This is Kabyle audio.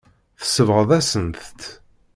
Tsebɣeḍ-asent-tt.